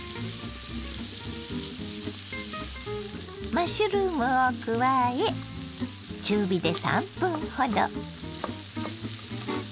マッシュルームを加え中火で３分ほど。